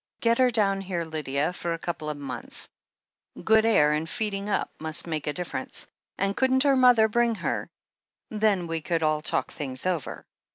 Get her down here, Lydia, for a couple of months. Good air and feeding up must make a differ ence — ^and couldn't her mother bring her? Then we could all talk things over."